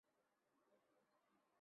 阿瓦萨克萨山。